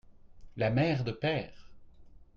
la mêre de Pêr.